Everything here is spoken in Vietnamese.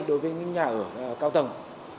đối với những nhà ở cao tầng